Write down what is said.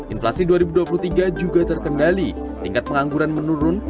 inflasi dua ribu dua puluh tiga juga terkendali tingkat pengangguran menurun